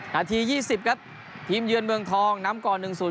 นาทียี่สิบครับทีมเยือนเมืองทองน้ำก่อนหนึ่งศูนย์